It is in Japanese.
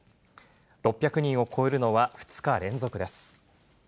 ６００人を超えるのは２日連続です。